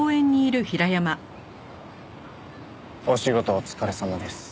お仕事お疲れさまです。